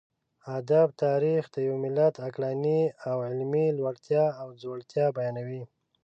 ادب تاريخ د يوه ملت عقلاني او علمي لوړتيا او ځوړتيا بيانوي.